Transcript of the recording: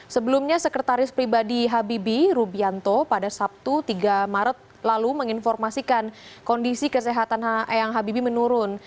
sebelumnya sekretaris pribadi habibi rubianto pada sabtu tiga maret lalu menginformasikan kondisi kesehatan eyang habibie menurun